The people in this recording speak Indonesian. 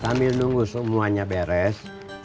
kami nunggu semuanya beres